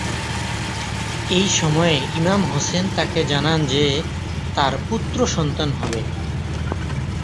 এ সময়ে ইমাম হোসেন তাকে জানান যে তার পুত্র সন্তান হবে।